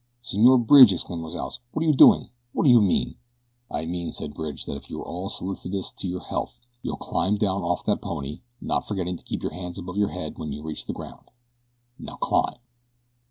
"Senor Bridge!" exclaimed Rozales. "What are you doing? What do you mean?" "I mean," said Bridge, "that if you are at all solicitous of your health you'll climb down off that pony, not forgetting to keep your hands above your head when you reach the ground. Now climb!"